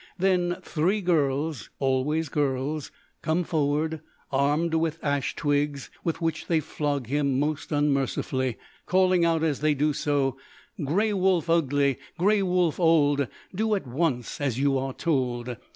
Then three girls always girls come forward armed with ash twigs with which they flog him most unmercifully, calling out as they do so: "Greywolf ugly, greywolf old, Do at once as you are told.